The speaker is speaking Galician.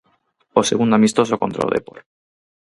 O segundo amistoso contra o Dépor.